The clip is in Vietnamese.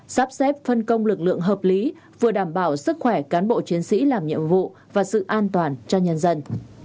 sắp xếp phân công lực lượng hợp lý vừa đảm bảo sức khỏe cán bộ chiến sĩ làm nhiệm vụ và sự an toàn cho nhân dân